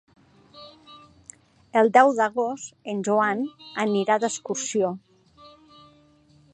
El deu d'agost en Joan anirà d'excursió.